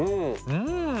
うん。